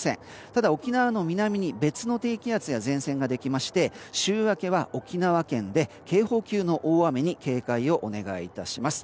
ただ沖縄の南に別の低気圧や前線ができまして週明けは沖縄県で警報級の大雨に警戒をお願いいたします。